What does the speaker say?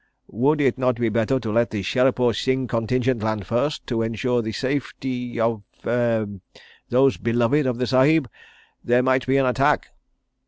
Would it not be better to let the Sherepur Sikh Contingent land first, to ensure the safety of—er—those beloved of the Sahib? There might be an attack.